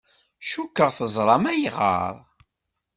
Cukkeɣ teẓram ayɣer.